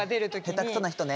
下手くそな人ね。